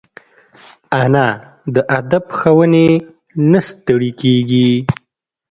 انا د ادب ښوونې نه ستړي کېږي